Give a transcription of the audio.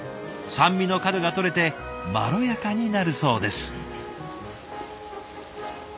酸味の角が取れてまろやかになるそうです。